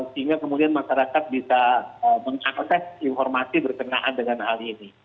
sehingga kemudian masyarakat bisa mengakses informasi berkenaan dengan hal ini